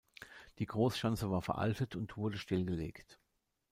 Die Großschanze war veraltet und wurde stillgelegt.